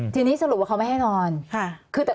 ทีนี้สรุปว่าเขาไม่ให้นอน